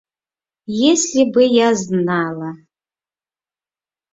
Если бы я знала...